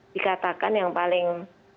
dikatakan yang paling